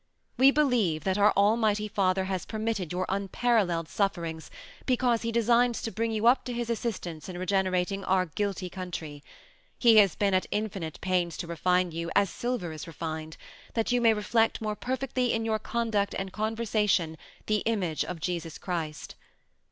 We believe that our Almighty Father has permitted your unparallelled sufferings, because he designs to bring you up to his assistance in regenerating our guilty country he has been at infinite pains to refine you as silver is refined, that you may reflect more perfectly in your conduct and conversation the image of Jesus Christ.